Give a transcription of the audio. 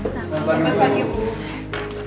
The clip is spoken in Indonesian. selamat pagi bu